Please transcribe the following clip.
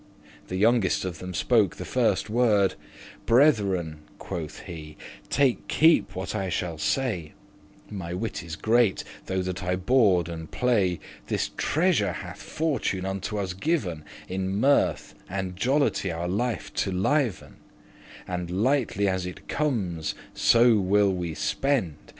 The youngest of them spake the firste word: "Brethren," quoth he, "*take keep* what I shall say; *heed* My wit is great, though that I bourde* and play *joke, frolic This treasure hath Fortune unto us given In mirth and jollity our life to liven; And lightly as it comes, so will we spend.